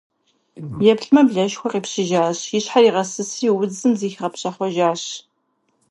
Еплъмэ - блэшхуэ къипщыжащ, и щхьэр игъэсысри, удзым зыхигъэпшэхъуэжащ.